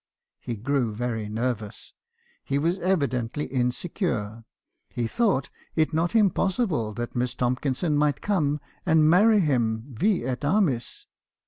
"He grew very nervous. He was evidently insecure. He thought it not impossible that Miss Tomkinson might come and marry him, vi et armis.